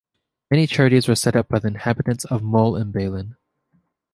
Many charities were set up by inhabitants of Mol and Balen.